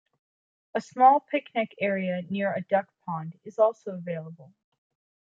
A small picnic area near a duck pond is also available.